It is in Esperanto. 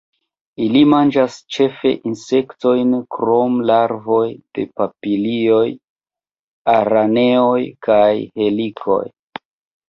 Ili manĝas ĉefe insektojn krom larvoj de papilioj, araneoj kaj helikoj.